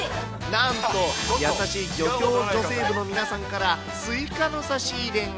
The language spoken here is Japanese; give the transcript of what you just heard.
なんと、優しい漁協女性部の皆さんから、スイカの差し入れが。